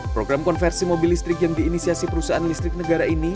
program konversi mobil listrik yang diinisiasi perusahaan listrik negara ini